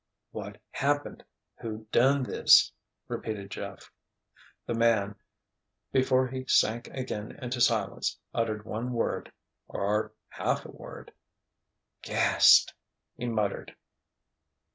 "What happened? Who done this?" repeated Jeff. The man, before he sank again into silence, uttered one word—or half a word: "Gast—" he muttered.